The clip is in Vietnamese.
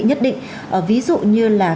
nhất định ví dụ như là